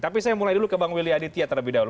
tapi saya mulai dulu ke bang willy aditya terlebih dahulu